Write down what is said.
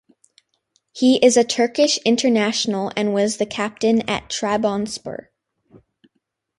He is a Turkish international and was the captain at Trabonspor.